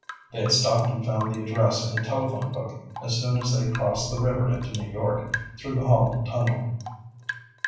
They had stopped and found the address in a telephone book as soon as they crossed the river into New York through the Holland Tunnel.